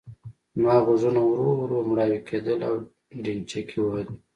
زما غوږونه ورو ورو مړاوي کېدل او ډينچکې وهلې.